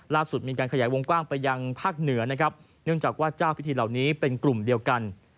มีการขยายวงกว้างไปยังภาคเหนือนะครับเนื่องจากว่าเจ้าพิธีเหล่านี้เป็นกลุ่มเดียวกัน